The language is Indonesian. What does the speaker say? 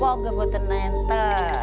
saya juga membuatkan nopo